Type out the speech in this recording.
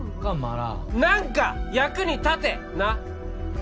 何か役に立てなっ？